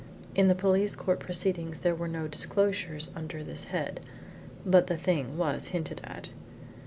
In the police court proceedings there were no disclosures under this head, but the thing was hinted at.